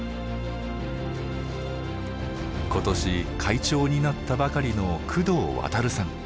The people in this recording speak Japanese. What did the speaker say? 今年会長になったばかりの工藤渉さん。